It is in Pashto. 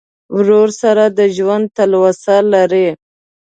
ورور سره د ژوند تلوسه لرې.